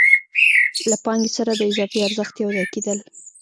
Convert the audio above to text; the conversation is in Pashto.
له پانګې سره د اضافي ارزښت یو ځای کېدل